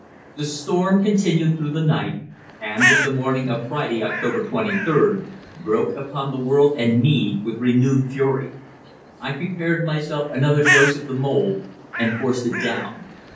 The storm continued during the night, and with the morning of Friday (October 23d) broke upon the world and me with renewed fury. I prepared myself another dose of the mould, and forced it down.